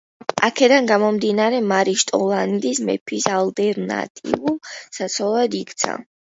აქედან გამომდინარე, მარი შოტლანდიის მეფის ალტერნატიულ საცოლედ იქცა.